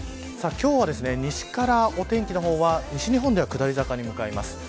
西からお天気の方は西日本では下り坂に向かいます。